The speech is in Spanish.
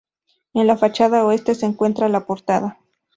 En la fachada oeste se encuentra la portada.